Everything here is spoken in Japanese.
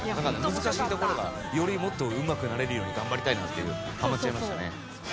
難しいところがよりもっとうまくなれるように頑張りたいなっていうハマっちゃいましたね。